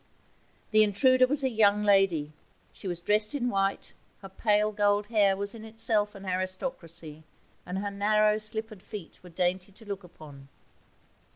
The intruder was a young lady. She was dressed in white, her pale gold hair was in itself an aristocracy, and her narrow slippered feet were dainty to look upon.